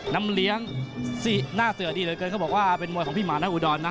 น้ำเลี้ยงหน้าเสือดีเหลือเกินเขาบอกว่าเป็นมวยของพี่หมานะอุดรนะ